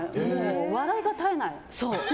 笑いが絶えない。